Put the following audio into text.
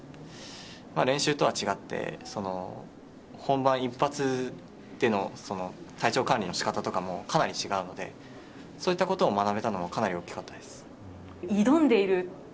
練習とは違って本番一発での体調管理の仕方とかもかなり違うのでそういったことを学べたのもかなり大きかったです。